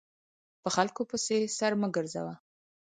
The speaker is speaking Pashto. په خلکو پسې سر مه ګرځوه !